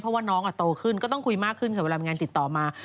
เพราะว่าน้องโตขึ้นก็ต้องคุยมากขึ้นค่ะเวลามีงานติดต่อมา